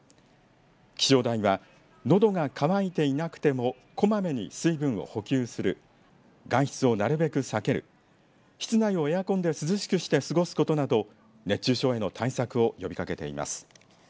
気象台はのどが渇いていなくてもこまめに水分を補給する外出をなるべく避ける室内をエアコンで涼しくして過ごすことなど熱中症への対策を呼びかけています。